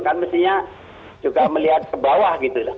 kan mestinya juga melihat ke bawah gitu lah